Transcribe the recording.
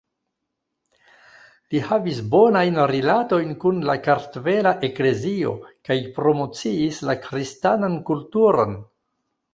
Li havis bonajn rilatojn kun la Kartvela Eklezio kaj promociis la kristanan kulturon.